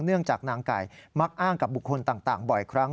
เนื่องจากนางไก่มักอ้างกับบุคคลต่างบ่อยครั้ง